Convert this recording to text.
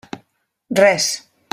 Res.